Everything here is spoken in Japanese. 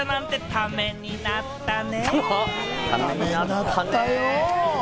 ためになったよう。